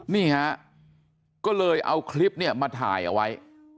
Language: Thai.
นี่ฮะก็เลยเอาคลิปเนี่ยมาถ่ายเอาไว้